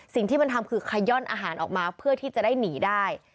สิ่งที่มันทำคือขย่อนอาหารออกมาเพื่อที่จะได้หนีได้